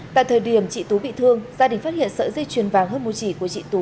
tại thời điểm chị tú bị thương gia đình phát hiện sợi dây chuyền vàng hơn mua chỉ của chị tú